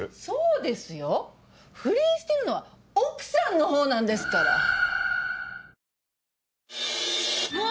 そうですよ不倫してるのは奥さんのほうなんですから。